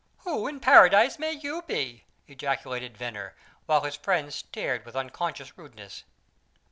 "Who in paradise may you be?" ejaculated Venner, while his friends stared with unconscious rudeness.